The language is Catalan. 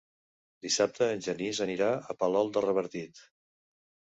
Dissabte en Genís anirà a Palol de Revardit.